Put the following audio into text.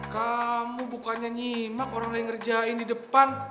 kamu bukannya nyimak orang mulai ngerjain di depan